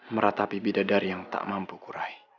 meratapi bidadari yang tak mampu kurai